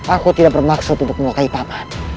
aku tidak bermaksud untuk membela diri paman